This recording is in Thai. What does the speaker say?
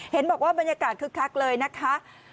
เห็นบอกว่าบรรยากาศคึกคักเลยนะคะ